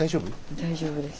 大丈夫です。